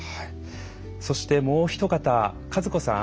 そしてもうお一方和子さん。